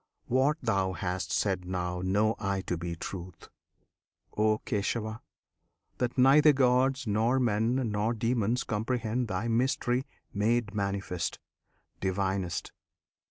What Thou hast said now know I to be truth, O Kesava! that neither gods nor men Nor demons comprehend Thy mystery Made manifest, Divinest!